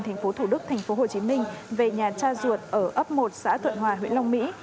thành phố thủ đức tp hồ chí minh về nhà cha ruột ở ấp một xã thuận hòa huyện long mỹ